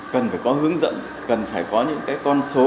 cần phải có hướng dẫn cần phải có những cái con số